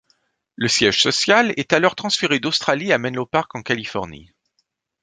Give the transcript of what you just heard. Le siège social est alors transféré d'Australie à Menlo Park en Californie.